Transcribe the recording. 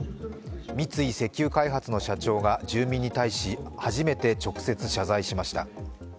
三井石油開発の社長が住民に対し、初めて直接謝罪しました。